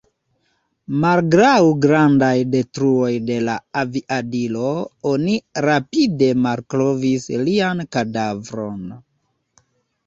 Malgraŭ grandaj detruoj de la aviadilo oni rapide malkovris lian kadavron.